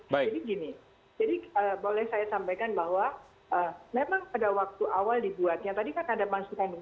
jadi gini jadi boleh saya sampaikan bahwa memang pada waktu awal dibuatnya tadi kan ada maksud kami